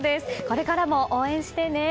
これからも応援してね！